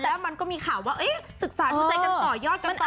แล้วมันก็มีข่าวว่าศึกษาดูใจกันต่อยอดกันต่อ